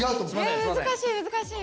難しい難しい。